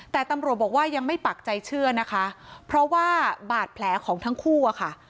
แต่ตำรวจบอกว่ายังไม่ปักใจเชื่อนะคะเพราะว่าบาดแผลของทั้งคู่อะค่ะ